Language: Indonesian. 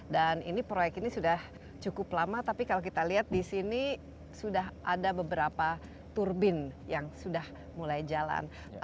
dan ini proyek ini sudah cukup lama tapi kalau kita lihat di sini sudah ada beberapa turbin yang sudah mulai jalan